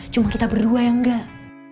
cuma kita berdua yang enggak